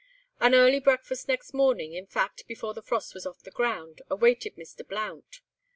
An early breakfast next morning, in fact, before the frost was off the ground, awaited Mr. Blount.